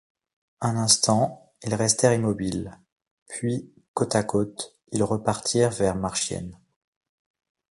Un instant, ils restèrent immobiles ; puis, côte à côte, ils repartirent vers Marchiennes.